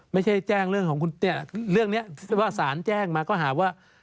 ไม่ใช่แจ้งเรื่องของคุณเนี่ยเรื่องนี้ว่าสารแจ้งมาก็หาว่า